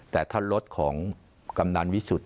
แต่ถ้ารถของกำนันวิสุทธิ